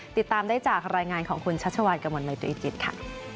ติดตามได้จากรายงานของคุณชัชชาวันกำลังเลยด้วยจิตค่ะ